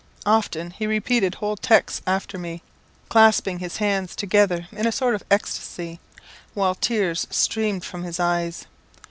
Often he repeated whole texts after me, clasping his hands together in a sort of ecstasy, while tears streamed from his eyes.